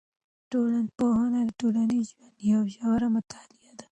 ټولنپوهنه د ټولنیز ژوند یوه ژوره مطالعه ده.